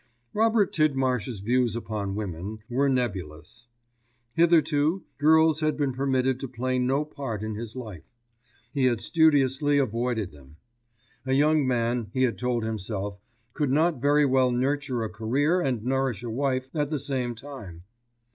Robert Tidmarsh's views upon women were nebulous. Hitherto girls had been permitted to play no part in his life. He had studiously avoided them. A young man, he had told himself, could not very well nurture a career and nourish a wife at the same time.